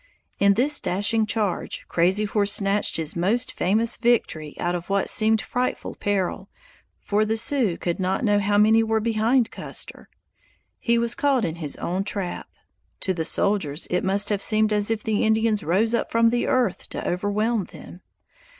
In this dashing charge, Crazy Horse snatched his most famous victory out of what seemed frightful peril, for the Sioux could not know how many were behind Custer. He was caught in his own trap. To the soldiers it must have seemed as if the Indians rose up from the earth to overwhelm them.